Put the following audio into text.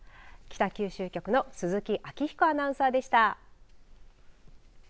北九州局の鈴木聡彦アナウンサーでした。